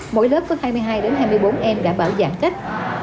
mỗi lớp có hai mươi hai hai mươi bốn em đã bảo giãn cách